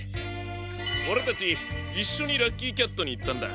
オレたちいっしょにラッキーキャットにいったんだ。